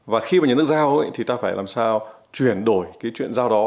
và khi mà nhà nước giao thì ta phải làm sao chuyển đổi cái chuyện giao đó